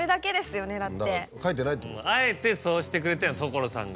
あえてそうしてくれてんの所さんが。